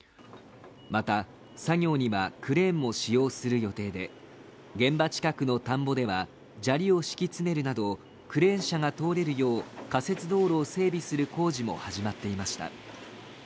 また、作業にはクレーンも使用する予定で現場近くの田んぼでは砂利を敷き詰めるなどクレーン車が通れるよう仮設道路を整備する工事も始まっていました。